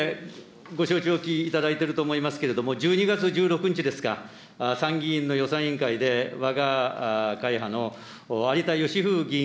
ご承知おきいただいていると思いますけれども、１２月１６日ですか、参議院の予算委員会で、わが会派のありたよしふ